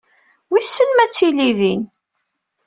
Wissen m ad tili din.